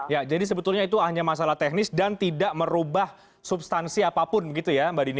ya jadi sebetulnya itu hanya masalah teknis dan tidak merubah substansi apapun begitu ya mbak dini